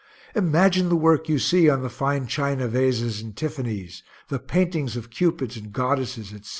(Imagine the work you see on the fine china vases in Tiffany's, the paintings of Cupids and goddesses, etc.